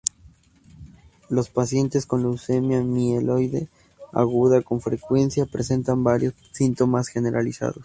Los pacientes con leucemia mieloide aguda con frecuencia presentan varios síntomas generalizados.